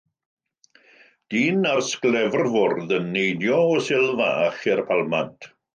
Dyn ar sglefr-fwrdd yn neidio o sil fach i'r palmant.